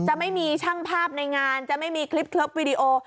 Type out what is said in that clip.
จะไม่มีช่างภาพในงานจะไม่มีคลิปเทิบวีดีโอ